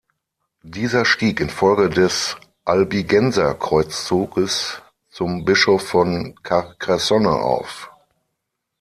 Dieser stieg infolge des Albigenserkreuzzuges zum Bischof von Carcassonne auf.